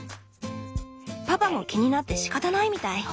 パパも気になってしかたないみたい。